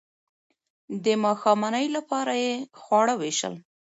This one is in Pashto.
د ماښامنۍ لپاره یې خواړه ویشل.